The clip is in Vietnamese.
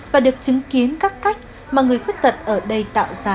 và được chứng kiến các cách mà người khuyết tật ở đây tạo ra